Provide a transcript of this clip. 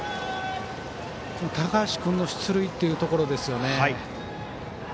高橋君の出塁というところですね。